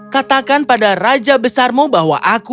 katakan pada raja besarmu bahwa aku